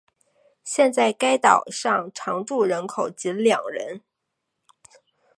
现在该岛上常住人口仅两人。